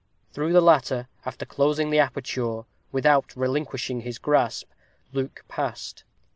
Through the latter, after closing the aperture, without relinquishing his grasp, Luke passed.